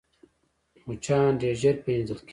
مچان ډېر ژر پېژندل کېږي